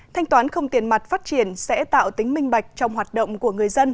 thanh toán không tiền mặt phát triển sẽ tạo tính minh bạch trong hoạt động của người dân